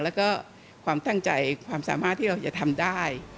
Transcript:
แล้วก็ความตั้งใจความสามารถที่เราจะทำได้